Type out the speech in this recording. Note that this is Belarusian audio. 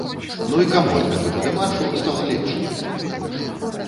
Ну і каму ад гэтага дэмаршу стала лепш?